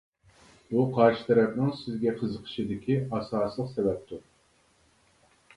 بۇ قارشى تەرەپنىڭ سىزگە قىزىقىشىدىكى ئاساسلىق سەۋەبتۇر.